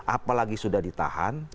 apalagi sudah ditahan